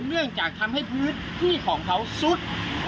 เนื่องจากทำให้พื้นที่ของเขาซุด